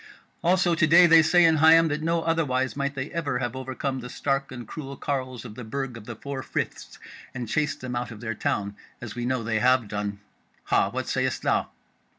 Also to day they say in Higham that no otherwise might they ever have overcome the stark and cruel carles of the Burg of the Four Friths and chased them out of their town, as we know they have done. Hah! what sayest thou?"